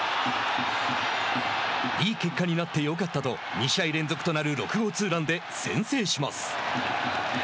いい結果になってよかったと２試合連続となる６号ツーランで先制します。